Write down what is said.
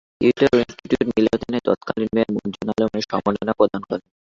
Theatre institute মিলনায়তনে তৎকালীন mayor Manjur Alam এ সম্মাননা প্রদান করেন।